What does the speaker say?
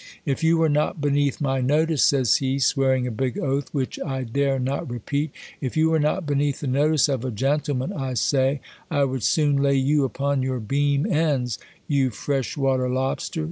If you were not beneath my no tice, says he, swearing a big oath, which I dare not re peat ; if you were not beneath the notice of a gentle man, I say, I would soon lay you upon your beam ends, you fresh water lobster!